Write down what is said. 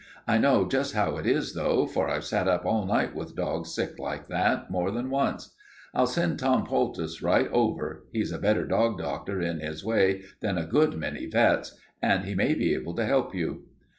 I know just how it is, though, for I've sat up all night with dogs sick like that, more than once. I'll send Tom Poultice right over. He's a better dog doctor in his way than a good many vets., and he may be able to help you."